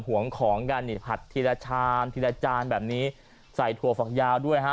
ห่วงของกันนี่ผัดทีละชามทีละจานแบบนี้ใส่ถั่วฝักยาวด้วยฮะ